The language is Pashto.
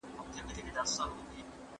پخوانۍ کلاګانې ډېرې لویې او تاریخي وې.